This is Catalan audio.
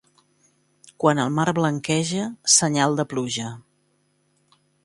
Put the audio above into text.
Quan el mar blanqueja, senyal de pluja.